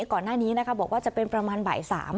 ก่อนหน้านี้นะคะบอกว่าจะเป็นประมาณบ่าย๓